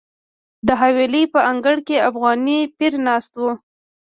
د حویلۍ په انګړ کې افغاني پیر ناست و.